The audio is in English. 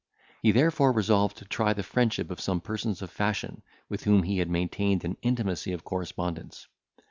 He therefore resolved to try the friendship of some persons of fashion, with whom he had maintained an intimacy of correspondence.